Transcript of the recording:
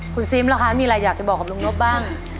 คุณซิมล่ะคะมีอะไรอยากจะบอกกับลุงนบบ้าง